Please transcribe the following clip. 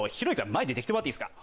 前出て来てもらっていいすか？